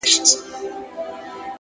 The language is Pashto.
مهرباني له هرې ژبې ښه پوهېږي.!